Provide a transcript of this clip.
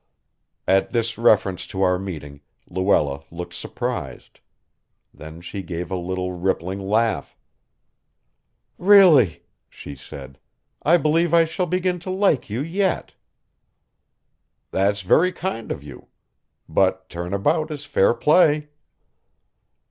At this reference to our meeting, Luella looked surprised. Then she gave a little rippling laugh. "Really," she said, "I believe I shall begin to like you, yet." "That's very kind of you; but turn about is fair play."